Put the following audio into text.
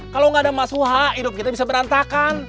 kalau gak ada mas suha hidup kita bisa berantakan